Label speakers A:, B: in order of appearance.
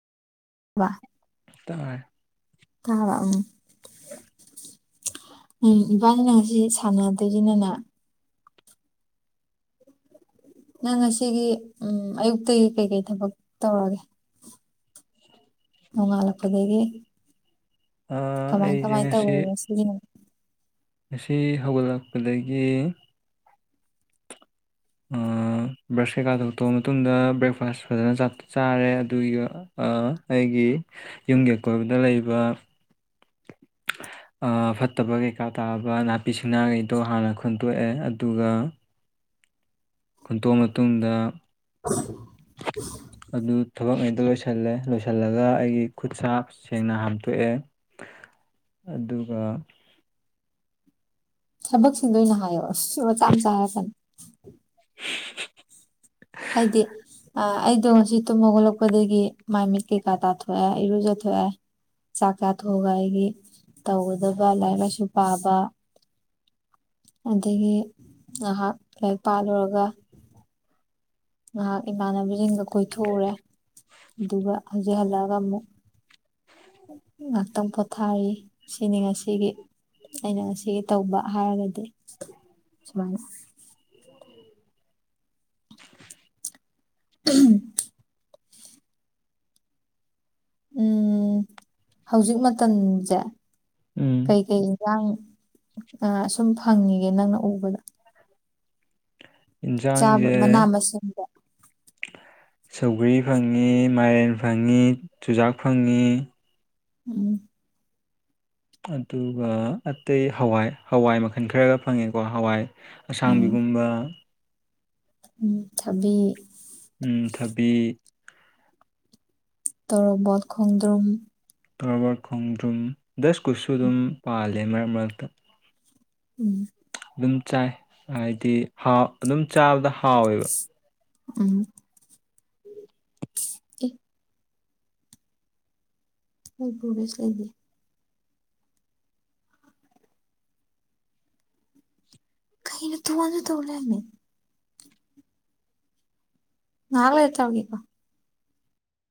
A: ꯋꯥ
B: ꯇꯔꯦ
A: ꯀꯥ ꯑꯝ ꯎꯝ ꯏꯕꯥꯅꯤꯅ ꯉꯁꯤ ꯁꯥꯟꯅꯗꯣꯏꯁꯤꯅꯅꯦ ꯅꯪ ꯉꯁꯤ ꯑꯌꯨꯛꯇꯒꯤ ꯀꯩꯀꯩ ꯊꯕꯛ ꯇꯧꯔꯒꯦ ꯅꯣꯡꯉꯥꯜꯂꯛꯄꯗꯒꯤ ꯀꯃꯥꯏ
B: ꯑꯩꯁꯦ
A: ꯀꯃꯥꯏ
B: ꯉꯁꯤ
A: ꯇꯧꯔꯒꯦ ꯉꯁꯤꯒꯤꯅ
B: ꯉꯁꯤ ꯍꯧꯒꯠꯂꯛꯄꯗꯒꯤ ꯕ꯭ꯔꯁ ꯀꯩꯀꯥ ꯊꯣꯛꯇꯑꯕ ꯃꯇꯨꯡꯗ ꯕ꯭ꯔꯦꯛꯐꯥꯁ ꯐꯖꯅ ꯆꯥꯔꯦ ꯑꯗꯨꯒꯤ ꯑꯩꯒꯤ ꯌꯨꯝꯒꯤ ꯑꯀꯣꯏꯕꯗ ꯂꯩꯕ
A: [inaudible]
B: ꯑ ꯐꯠꯇꯕ ꯀꯩꯀꯥ ꯇꯥꯕ ꯅꯥꯄꯤ ꯁꯤꯡꯅꯥꯒꯩꯗꯣ ꯍꯥꯟꯅ ꯈꯣꯟꯇꯣꯛꯑꯦ ꯑꯗꯨꯒ ꯈꯨꯟꯇꯣꯛꯑ ꯃꯇꯨꯡꯗ
A: ꯎ
B: ꯑꯗꯨ ꯊꯕꯛ ꯉꯩꯗꯣ ꯂꯣꯏꯁꯜꯂꯦ ꯂꯣꯏꯁꯜꯂꯒ ꯑꯩꯒꯤ ꯈꯨꯠ ꯁꯥ ꯁꯦꯡꯅ ꯍꯥꯝꯇꯣꯛꯑꯦ ꯑꯗꯨꯒ
A: ꯊꯕꯛꯁꯤꯡꯗꯣ ꯑꯣꯏꯅ ꯍꯥꯏꯌꯣ ꯑꯁ ꯁꯨꯔ ꯃꯆꯥ ꯃꯆꯥ ꯍꯥꯏꯔꯛꯀꯅꯨ
B: [unintelligible]
A: ꯍꯥꯏꯗꯦ ꯑ ꯑꯩꯗꯣ ꯉꯁꯤ ꯇꯨꯝ ꯍꯧꯒꯠꯂꯛꯄꯗꯒꯤ ꯃꯥꯏ ꯃꯤꯠ ꯀꯩꯀꯥ ꯇꯥꯊꯣꯛꯑꯦ ꯏꯔꯨꯖꯊꯣꯛꯑꯦ ꯆꯥꯛ ꯆꯥꯊꯣꯛꯑꯒ ꯑꯩꯒꯤ ꯇꯧꯒꯗꯕ ꯂꯥꯏꯔꯤꯛ ꯂꯥꯏꯁꯨ ꯄꯥꯕ ꯑꯗꯒꯤ ꯉꯥꯍꯥꯛ ꯂꯥꯏꯔꯤꯛ ꯄꯥ ꯂꯣꯏꯔꯒ ꯉꯥꯍꯥꯛ ꯏꯃꯥꯟꯅꯕꯁꯤꯡꯒ ꯀꯣꯏꯊꯣꯛꯎꯔꯦ ꯑꯗꯨꯒ ꯍꯧꯖꯤꯛ ꯍꯜꯂꯛꯑꯒ ꯑꯃꯨꯛ ꯉꯥꯛꯇꯪ ꯄꯣꯊꯥꯔꯤ ꯁꯤꯅꯤ ꯉꯁꯤꯒꯤ ꯑꯩꯅ ꯉꯁꯤꯒꯤ ꯇꯧꯕ ꯍꯥꯏꯔꯒꯗꯤ ꯁꯨꯃꯥꯏꯅ ꯇꯞ ꯎ [unintelligible] ꯎꯝ ꯍꯧꯖꯤꯛ ꯃꯇꯝꯖꯦ
B: ꯎꯝ
A: ꯀꯩꯀꯩ [unintelligible] ꯑ ꯁꯨꯝ ꯐꯪꯉꯤꯒꯦ ꯅꯪꯅ ꯎꯕꯗ ꯆꯥꯕ
B: ꯏꯟꯖꯥꯡꯖꯦ
A: ꯃꯅꯥ ꯃꯁꯤꯡꯗ
B: ꯁꯧꯒ꯭ꯔꯤ ꯐꯪꯉꯤ ꯃꯥꯏꯔꯦꯟ ꯐꯪꯉꯤ ꯆꯨꯖꯥꯛ ꯐꯪꯉꯤ
A: ꯎꯝ
B: ꯑꯗꯨꯒ ꯑꯇꯩ ꯍꯋꯥꯏ ꯍꯋꯥꯏ ꯃꯈꯜ ꯈꯔꯒ ꯐꯪꯉꯦꯀꯣ ꯍꯋꯥꯏ
A: ꯎꯝ
B: ꯑꯁꯥꯡꯕꯤꯒꯨꯝꯕ
A: ꯎꯝ ꯊꯕꯤ
B: ꯎꯝ ꯊꯕꯤ
A: ꯇꯧꯔꯕꯣꯠ ꯈꯣꯡꯗ꯭ꯔꯨꯝ
B: ꯇꯣꯔꯣꯕꯔ ꯈꯣꯡꯗ꯭ꯔꯨꯝ ꯗꯁ ꯀꯨꯠꯁꯨ ꯑꯗꯨꯝ ꯄꯥꯜꯂꯦ ꯃꯔꯛ ꯃꯔꯛꯇ
A: ꯎꯝ
B: ꯑꯗꯨꯝ ꯆꯥꯏ ꯍꯥꯏꯗꯤꯥ ꯍꯥꯎ ꯑꯗꯨꯝ ꯆꯥꯕꯗ ꯍꯥꯎꯋꯦ
A: ꯎꯝ ꯑꯦ ꯃꯅꯤꯄꯨꯔꯕꯁ ꯂꯩꯗꯤ ꯀꯩꯅ ꯇꯨꯉꯟ ꯇꯧꯂꯔꯃꯦ ꯅꯥꯡꯂꯥꯏ ꯇꯥꯎꯒꯦꯕ